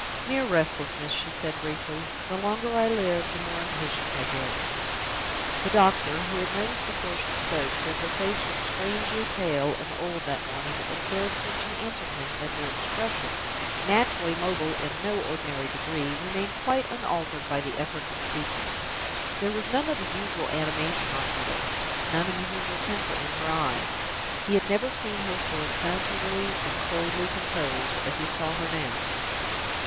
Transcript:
"Mere restlessness!" she said, briefly. "The longer I live, the more impatient I get." The doctor, who had noticed before she spoke that her face looked strangely pale and old that morning, observed, when she answered him, that her expression naturally mobile in no ordinary degree remained quite unaltered by the effort of speaking. There was none of the usual animation on her lips, none of the usual temper in her eyes. He had never seen her so impenetrably and coldly composed as he saw her now.